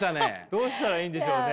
どうしたらいいんでしょうね？